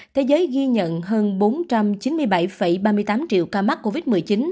thế giới ghi nhận hơn bốn trăm chín mươi bảy ba mươi tám triệu ca mắc covid một mươi chín